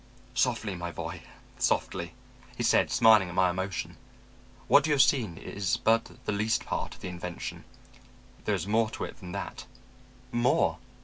"'Softly, my boy, softly,' he said, smiling at my emotion. 'What you have seen is but the least part of the invention. There is more to it than that.' "'More?'